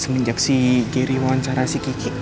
semenjak si kiri wawancara si kiki